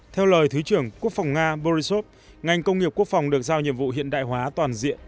theo lời thứ trưởng quốc phòng nga borisov ngành công nghiệp quốc phòng được giao nhiệm vụ hiện đại hóa toàn diện